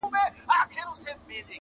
د دریاب پر غاړه لو کښټۍ ولاړه!.